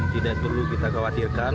tidak perlu kita khawatirkan